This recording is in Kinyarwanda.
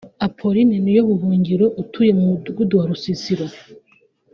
Appauline Niyobuhungiro utuye mu Mudugudu wa Rusisiro